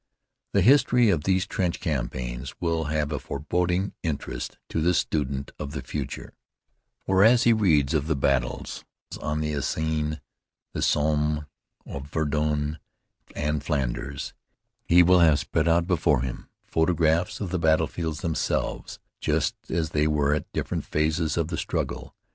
The history of these trench campaigns will have a forbidding interest to the student of the future; for, as he reads of the battles on the Aisne, the Somme, of Verdun and Flanders, he will have spread out before him photographs of the battlefields themselves, just as they were at different phases of the struggle.